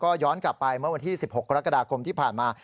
ย้อนกลับไปเมื่อวันที่๑๖กรกฎาคมที่ผ่านมา